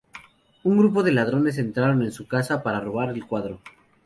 Un grupo de ladrones entraron en su casa para robar el cuadro.